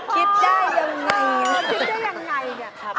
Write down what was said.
คิดได้อย่างไร